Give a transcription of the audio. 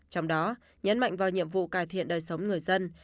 trong đó nhấn mạnh vào nhiệm vụ cải thiện đời sống người dân